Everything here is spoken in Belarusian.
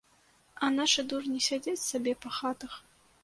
А нашы дурні сядзяць сабе па хатах.